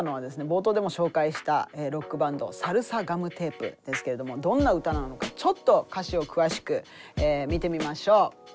冒頭でも紹介したロックバンドサルサガムテープですけれどもどんな歌なのかちょっと歌詞を詳しく見てみましょう。